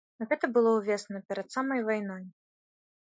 Гэта было ўвесну перад самай вайной.